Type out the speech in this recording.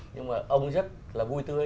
nhưng mà ông rất là vui tươi